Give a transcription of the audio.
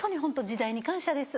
「時代に感謝です」。